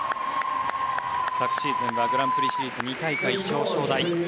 昨シーズンはグランプリシリーズ２大会、表彰台。